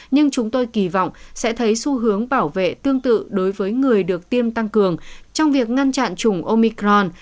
nhưng chúng tôi kỳ vọng sẽ thấy xu hướng bảo vệ tương tự đối với người được tiêm tăng cường trong việc ngăn chặn chủng omicron